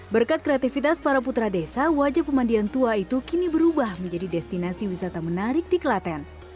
berkat kreativitas para putra desa wajah pemandian tua itu kini berubah menjadi destinasi wisata menarik di kelaten